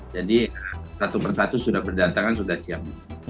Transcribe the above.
jadi satu persatu sudah berdatangan sudah siang